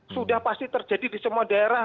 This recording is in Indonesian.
sudah pasti terjadi di semua daerah